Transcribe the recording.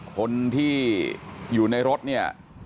คนที่อยู่ในรถเนี่ย